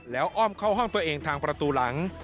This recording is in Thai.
แล้วอ้อมเข้าห้องตัวเองทางประตูหลัง